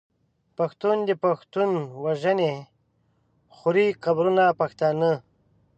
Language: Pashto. پښتون دی پښتون وژني خوري قبرونه پښتانه